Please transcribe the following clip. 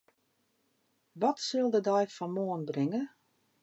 Wat sil de dei fan moarn bringe?